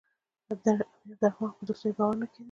د امیر عبدالرحمن خان پر دوستۍ باور نه کېده.